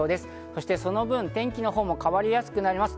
そしてその分、天気のほうも変わりやすくなります。